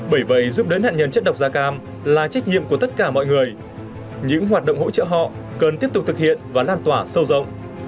bởi vậy giúp đỡ nạn nhân chất độc da cam là trách nhiệm của tất cả mọi người những hoạt động hỗ trợ họ cần tiếp tục thực hiện và lan tỏa sâu rộng